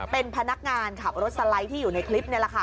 เป็นพนักงานขับรถสไลด์ที่อยู่ในคลิปนี่แหละค่ะ